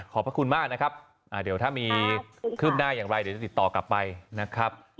พระคุณมากนะครับเดี๋ยวถ้ามีคืบหน้าอย่างไรเดี๋ยวจะติดต่อกลับไปนะครับ